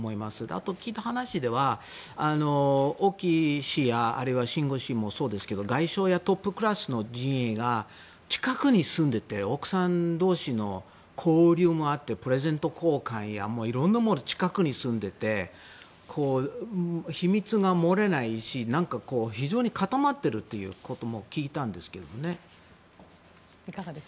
あと、聞いた話では王毅氏やシン・ゴウ氏もそうですけど外相やトップクラスの人員が近くに住んでて奥さん同士の交流もあってプレゼント交換やいろんなもの近くに住んでて秘密が漏れないし非常に固まってるということも聞いたんですよね。